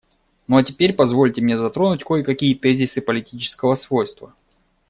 Ну а теперь позвольте мне затронуть кое-какие тезисы политического свойства.